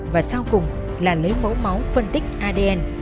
và sau cùng là lấy mẫu máu phân tích adn